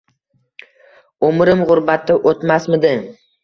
Umrim g`urbatda o`tmasmidi